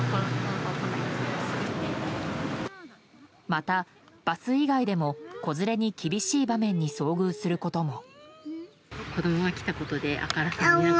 また、バス以外でも子連れに厳しい場面に遭遇することも。